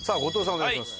お願いします。